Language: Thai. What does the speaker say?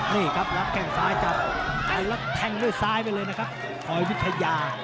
นี่ครับรับแข้งซ้ายจับแล้วแทงด้วยซ้ายไปเลยนะครับคอยวิทยา